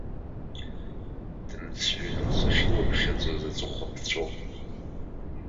Дымцҳәаҩны лхы ахьылыԥхьаӡоз аҵыхәа ԥҵәон.